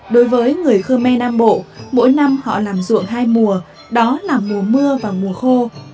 đối với người khơ me nam bộ mỗi năm họ làm ruộng hai mùa đó là mùa mưa và mùa khô